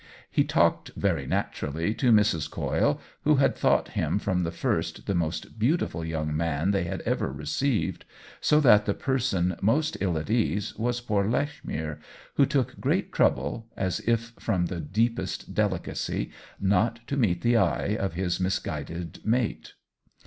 He talked very lyo OWEN WINGRAVE naturally to Mrs. Coyle, who had thought him from the first the most beautiful young man they had ever received; so that the person most ill at ease was poor Lechmere, who took great trouble, as if from the deepest delicacy, not to meet the eye of his misguided mate.